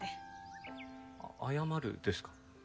謝るですか？